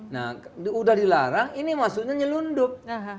nah sudah dilarang ini maksudnya nyelundup